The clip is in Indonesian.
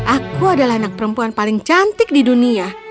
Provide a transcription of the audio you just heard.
aku adalah anak perempuan paling cantik di dunia